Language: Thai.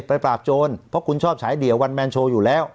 ปราบโจรเพราะคุณชอบฉายเดี่ยววันแมนโชว์อยู่แล้ว